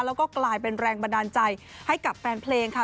แล้วก็กลายเป็นแรงบันดาลใจให้กับแฟนเพลงค่ะ